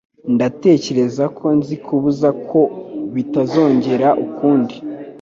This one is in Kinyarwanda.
Ndatekereza ko nzi kubuza ko bitazongera ukundi.